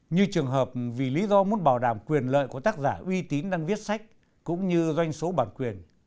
như trường hợp vì lý do muốn bảo đảm quyền lợi của tác giả uy tín đang viết sách cũng như doanh số bản quyền